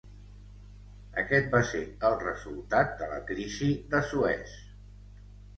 Aquest va ser el resultat de la Crisi de Suez.